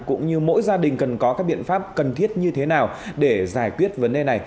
cũng như mỗi gia đình cần có các biện pháp cần thiết như thế nào để giải quyết vấn đề này